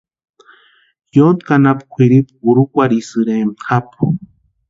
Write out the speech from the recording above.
Yontki anapu kwʼiripu urhukwarhisïrempti japuni.